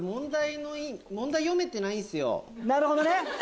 なるほどね。